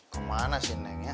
kemana sih nengnya